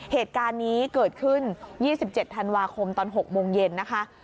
เหตุการณ์นี้เกิดขึ้น๒๗ธันวาคมตอน๖โมงเย็นนะคะ